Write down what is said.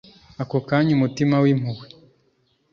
ako kanya umutima wimpuhwe